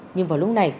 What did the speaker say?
nhưng vào lúc này